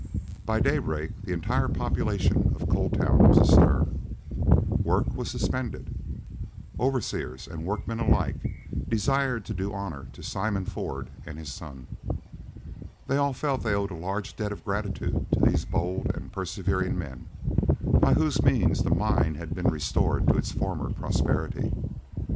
By daybreak the entire population of Coal Town was astir. Work was suspended; overseers and workmen alike desired to do honor to Simon Ford and his son. They all felt they owed a large debt of gratitude to these bold and persevering men, by whose means the mine had been restored to its former prosperity.